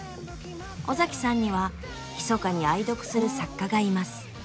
尾崎さんには「ひそかに愛読する作家」がいます。